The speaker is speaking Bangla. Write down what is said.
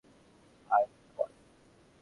High, Thomas!